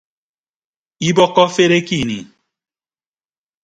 Ibọkkọ afere ke ini.